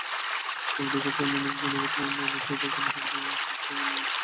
আফ্রিকায় তারা মানবিক মূল্যবোধকে বিন্দুমাত্র তোয়াক্কা করেনি, স্থানীয় মানুষকে পশুর মূল্যও দেয়নি।